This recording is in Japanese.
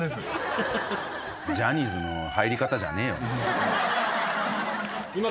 ジャニーズの入り方じゃねえよな